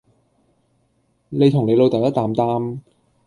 你同你老豆一擔擔